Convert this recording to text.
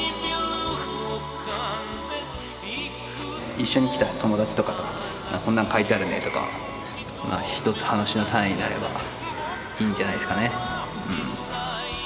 一緒に来た友達とかとこんなん書いてあるねとかひとつ話の種になればいいんじゃないですかね。